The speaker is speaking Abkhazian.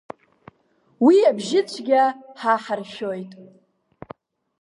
Уи абжьыцәгьа ҳа ҳаршәоит.